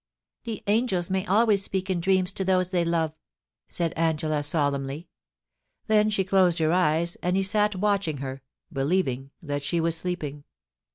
' The angels may always speak in dreams to those they love,' said Angela, solemnly. Then she closed her eyes, and he sat watching her, believing that she was sleeping.